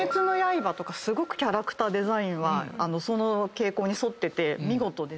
すごくキャラクターデザインはその傾向に沿ってて見事ですね。